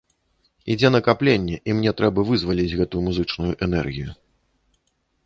Ідзе накапленне, і мне трэба вызваліць гэту музычную энергію.